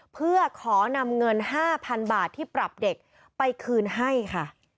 เพื่อขอนำเงิน๕๐๐๐บาทที่ปรับเด็กไปคืนให้ค่ะ